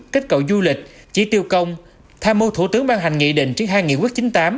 kích cậu du lịch chỉ tiêu công tham mưu thủ tướng ban hành nghị định triển khai nghị quyết chín mươi tám